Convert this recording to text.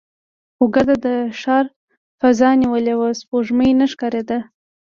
خو ګرد د ښار فضا نیولې وه، سپوږمۍ نه ښکارېده.